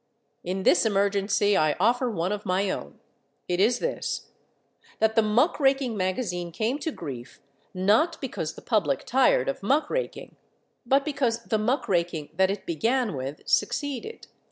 In this emergency I offer one of my own. It is this: that the muck raking magazine came to grief, not because the public tired of muck raking, but because the muck raking that it began with succeeded.